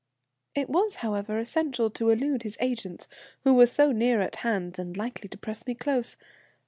"It was, however, essential to elude his agents, who were so near at hand and likely to press me close.